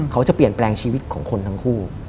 เขาจะเปลี่ยนแปลงชีวิตของคนทั้งคู่